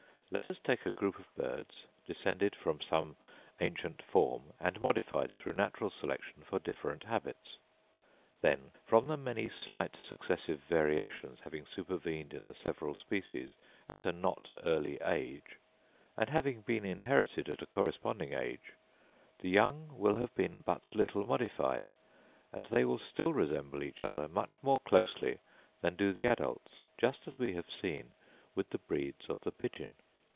Let us take a group of birds, descended from some ancient form and modified through natural selection for different habits. Then, from the many slight successive variations having supervened in the several species at a not early age, and having been inherited at a corresponding age, the young will have been but little modified, and they will still resemble each other much more closely than do the adults, just as we have seen with the breeds of the pigeon.